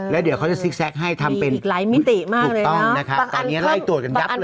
แล้วเดี๋ยวเขาจะซิกแซกให้ทำเป็นถูกต้องนะครับตอนนี้ไล่ตรวจกันยับเลยฮะ